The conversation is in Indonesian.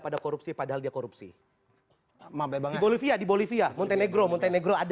pada korupsi padahal dia korupsi bang bolivia di bolivia montenegro montenegro ada